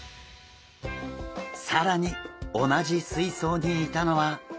更に同じ水槽にいたのは。